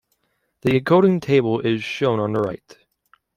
The encoding table is shown on the right.